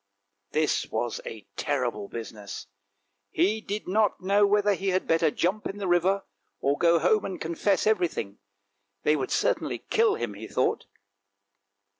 This was a terrible business. He did not know whether he had better jump into the river or go home and con fess everything. They would certainly kill him, he thought.